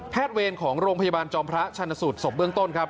เวรของโรงพยาบาลจอมพระชันสูตรศพเบื้องต้นครับ